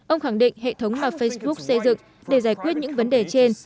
ông khẳng định hệ thống mà facebook xây dựng để giải quyết những vấn đề trên